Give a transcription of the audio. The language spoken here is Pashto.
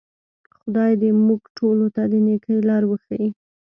خدای دې موږ ټولو ته د نیکۍ لار وښیي.